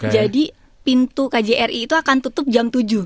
jadi pintu kjri itu akan tutup jam tujuh